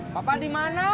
bapak di mana